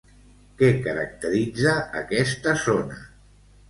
Què caracteritza aquesta zona?